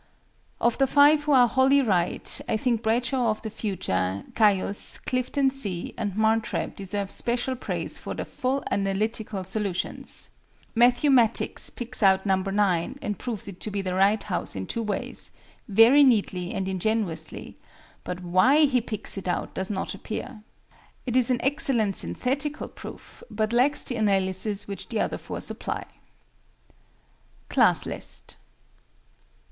Of the five who are wholly right, I think BRADSHAW OF THE FUTURE, CAIUS, CLIFTON C., and MARTREB deserve special praise for their full analytical solutions. MATTHEW MATTICKS picks out No. 9, and proves it to be the right house in two ways, very neatly and ingeniously, but why he picks it out does not appear. It is an excellent synthetical proof, but lacks the analysis which the other four supply. CLASS LIST.